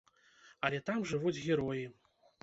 Але там жывуць героі!